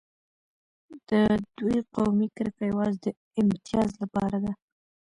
د دوی قومي کرکه یوازې د امتیاز لپاره ده.